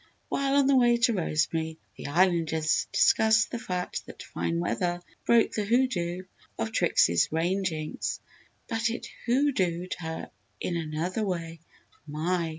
While on the way to Rosemary, the Islanders discussed the fact that fine weather broke the hoo doo of Trixie's rain jinx. "But it hoo dooed her in another way my!